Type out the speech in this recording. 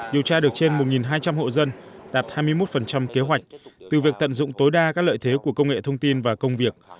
điều tra được trên một hai trăm linh hộ dân đạt hai mươi một kế hoạch từ việc tận dụng tối đa các lợi thế của công nghệ thông tin và công việc